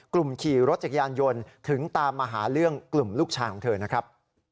ขี่รถจักรยานยนต์ถึงตามมาหาเรื่องกลุ่มลูกชายของเธอนะครับ